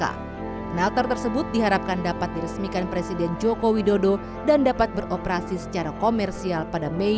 smelter tersebut diharapkan dapat diresmikan presiden joko widodo dan dapat beroperasi secara komersial pada mei dua ribu dua puluh empat